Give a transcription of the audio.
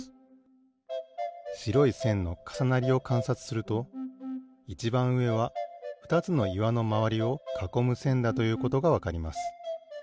しろいせんのかさなりをかんさつするといちばんうえはふたつのいわのまわりをかこむせんだということがわかります。